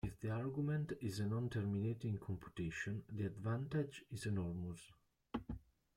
If the argument is a non-terminating computation, the advantage is enormous.